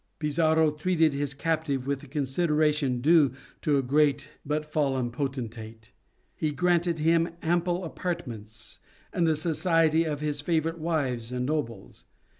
Pizarro treated his captive with the consideration due to a great but fallen potentate; he granted him ample apartments, and the society of his favorite wives and nobles.